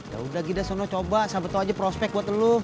yaudah gida coba coba sabet aja prospek buat lu